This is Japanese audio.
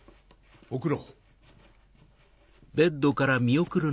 送ろう。